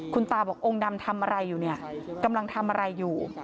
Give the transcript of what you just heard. คุณตาบอกองค์ดำทำอะไรอยู่เนี่ยกำลังทำอะไรอยู่